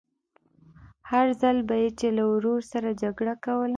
هر ځل به يې چې له ورور سره جګړه کوله.